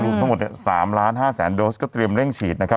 ทั้งหมด๓๕๐๐๐โดสก็เตรียมเร่งฉีดนะครับ